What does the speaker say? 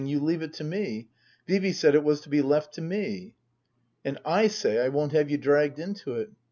You leave it to me. Vee Vee said it was to be left to me." " And / say I won't have you dragged into it.